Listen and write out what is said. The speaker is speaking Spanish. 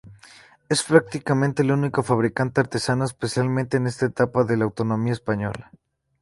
Es prácticamente el único fabricante artesano especializado en esa etapa de la automoción española.